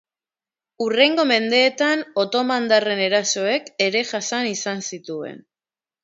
Hurrengo mendeetan otomandarren erasoak ere jasan izan zituen.